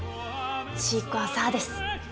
シークワーサーです。